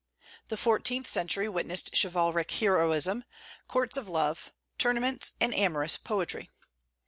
The fourteenth century witnessed chivalric heroism, courts of love, tournaments, and amorous poetry.